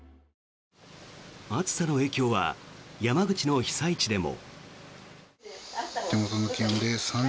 暑さの影響は山口の被災地でも。